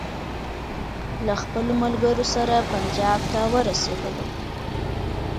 له خپلو ملګرو سره پنجاب ته ورسېدلو.